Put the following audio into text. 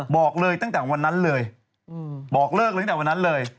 บอกเลยตั้งแต่วันนั้นเลยบอกเลิกเลยตั้งแต่วันนั้นเลย